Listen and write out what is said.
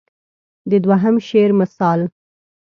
د دوهم شعر مثال.